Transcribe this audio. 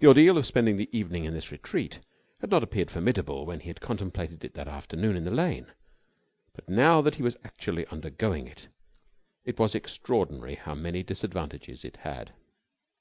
The ordeal of spending the evening in this retreat had not appeared formidable when he had contemplated it that afternoon in the lane: but, now that he was actually undergoing it, it was extraordinary how many disadvantages it had.